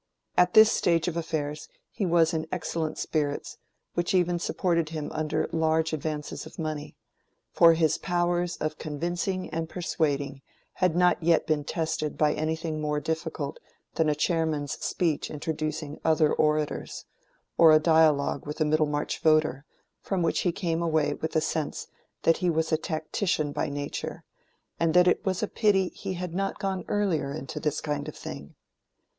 At this stage of affairs he was in excellent spirits, which even supported him under large advances of money; for his powers of convincing and persuading had not yet been tested by anything more difficult than a chairman's speech introducing other orators, or a dialogue with a Middlemarch voter, from which he came away with a sense that he was a tactician by nature, and that it was a pity he had not gone earlier into this kind of thing.